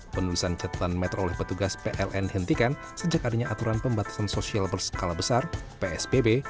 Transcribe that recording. penulisan catatan meter oleh petugas pln hentikan sejak adanya aturan pembatasan sosial berskala besar psbb